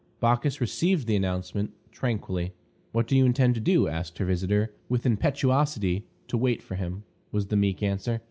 Bacchis received the announcement tranquilly. "What do you intend to do?" asked her visitor, with impetuosity. "To wait for him," was the meek answer.